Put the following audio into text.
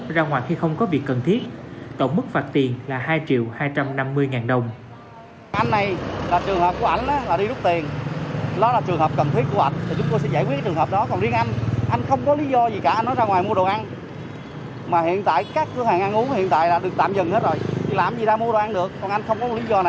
rằng ngoài khi không có việc cần thiết cộng mức phạt tiền là hai triệu hai trăm năm mươi ngàn đồng